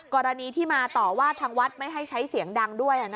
กรณีที่มาต่อว่าทางวัดไม่ให้ใช้เสียงดังด้วย